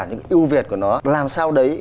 những ưu việt của nó làm sao đấy